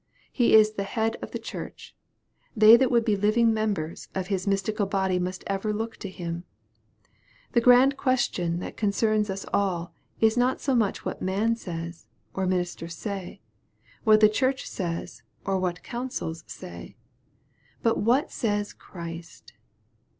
He is the Head of the Church : they that would be living members of His mystical body must ever look to Him. The grand ques tion that concerns us all is not so much what man says, or ministers say what the Church says, or what councils say but what says Christ